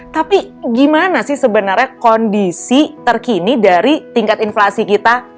tapi gimana sih sebenarnya kondisi terkini dari tingkat inflasi kita